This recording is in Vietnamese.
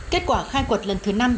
kết quả khai quật lần thứ năm